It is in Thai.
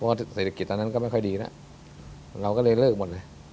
เพราะว่าเศรษฐกิจตอนนั้นก็ไม่ค่อยดีแล้วเราก็เลยเลิกหมดเลย